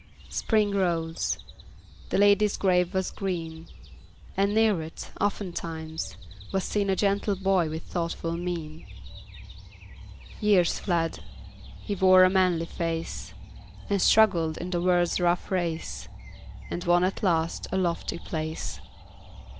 Spring rose; the lady's grave was green; And near it, oftentimes, was seen A gentle boy with thoughtful mien. Years fled; he wore a manly face, And struggled in the world's rough race, And won at last a lofty place.